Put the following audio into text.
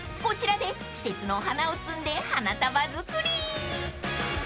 ［こちらで季節のお花を摘んで花束作り］